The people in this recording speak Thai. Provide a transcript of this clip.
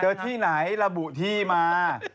ที่ไหนระบุที่มา